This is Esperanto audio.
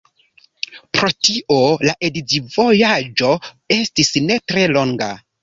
Pro tio la edziĝovojaĝo estis ne tre longa.